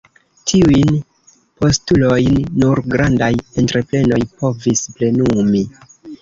Tiujn postulojn nur grandaj entreprenoj povis plenumi.